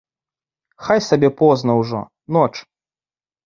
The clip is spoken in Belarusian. Хай сабе позна ўжо, ноч.